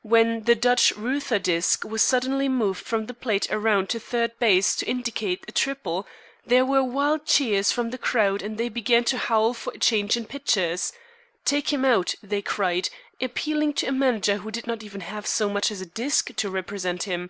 When the Dutch Ruether disk was suddenly moved from the plate around to third base to indicate a triple, there were wild cheers from the crowd and they began to howl for a change in pitchers. "Take him out!" they cried, appealing to a manager who did not even have so much as a disk to represent him.